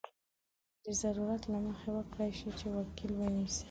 د ضرورت له مخې وکړای شي چې وکیل ونیسي.